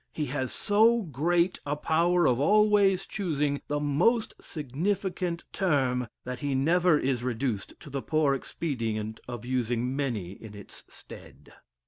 He has so great a power of always choosing the most significant term, that he never is reduced to the poor expedient of using many in its stead.